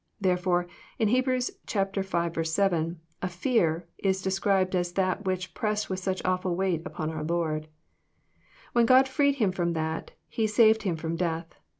Therefore, in Heb. v. 7, *a fear' is described as that which pressed with such awfhl weight upon our Lord. When God freed Him firom that. He saved Him from death.